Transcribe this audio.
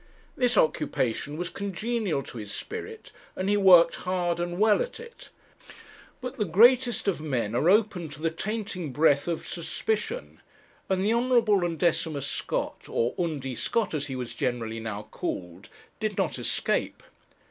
This occupation was congenial to his spirit, and he worked hard and well at it; but the greatest of men are open to the tainting breath of suspicion, and the Honourable Undecimus Scott, or Undy Scott, as he was generally now called, did not escape.